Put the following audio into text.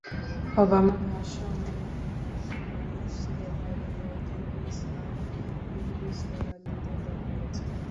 ওবামার ভাষণের সময় মসজিদের বাইরে কয়েকজনকে ইসলামবিরোধী স্লোগান দিতে দেখা গেছে।